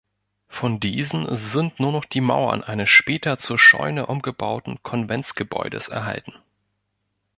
Von diesen sind nur noch die Mauern eines später zur Scheune umgebauten Konventsgebäudes erhalten.